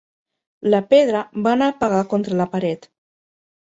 La pedra va anar a pegar contra la paret.